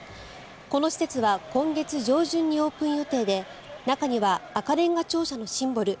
この施設は今月上旬にオープン予定で中には赤れんが庁舎のシンボル